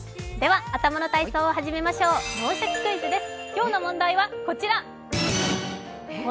頭の体操を始めましょう、「脳シャキ！クイズ」です。